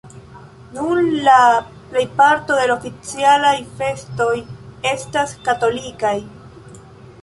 Nun la plejparto de la oficialaj festoj estas katolikaj.